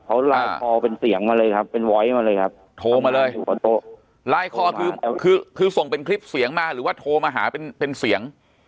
เขาลายคอเป็นเสียงมาเลยครับเป็นวอยมาเลยครับโทรมาเลยบนโต๊ะลายคอคือคือส่งเป็นคลิปเสียงมาหรือว่าโทรมาหาเป็นเป็นเสียง